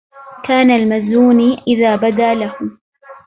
كان المزوني إذا بدا له